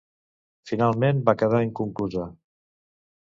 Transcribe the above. Finalment, va quedar inconclusa.